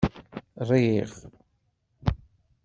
Rriɣ.